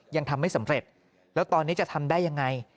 ยังทำไม่สำเร็จแล้วตอนนี้จะทำได้ยังไง